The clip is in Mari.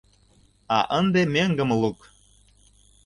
— А ынде меҥгым лук!